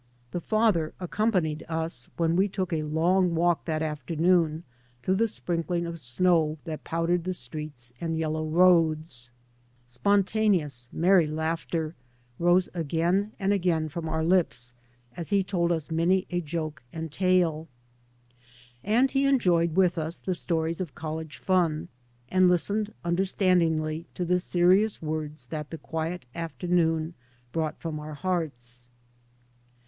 The father accompanied us when we took a long walk that afternoon through the sprinkling of snow that powdered the streets and yellow roads. Spontaneous, merry laughter rose again and again from our lips as he told us many a joke and tale. And be enjoyed with us the stories of college fun, and listened understandingly to the serious words that the quiet afternoon brought from our hearts.